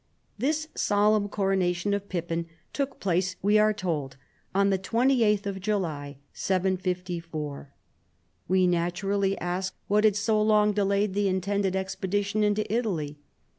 This solemn coronation of Pippin took place, we are told, on the 2Sth of July, 754. We naturally ask what had so long delayed the intended expedition into Italy.